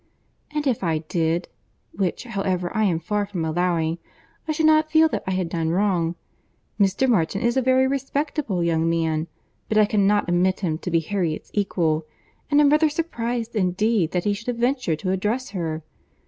"And if I did, (which, however, I am far from allowing) I should not feel that I had done wrong. Mr. Martin is a very respectable young man, but I cannot admit him to be Harriet's equal; and am rather surprized indeed that he should have ventured to address her.